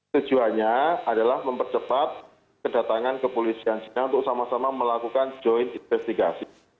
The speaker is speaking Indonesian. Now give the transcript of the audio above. tujuannya adalah mempercepat kedatangan kepolisian china untuk sama sama melakukan join investigasi